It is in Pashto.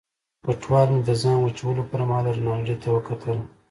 په اټوال مې د ځان وچولو پرمهال رینالډي ته وکتل.